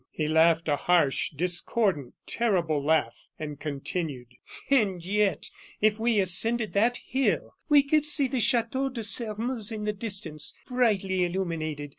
He laughed a harsh, discordant, terrible laugh, and continued: "And yet, if we ascended that hill, we could see the Chateau de Sairmeuse in the distance, brightly illuminated.